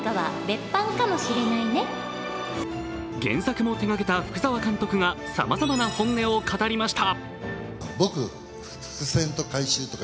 原作も手がけた福澤監督がさまざまな本音を語りました。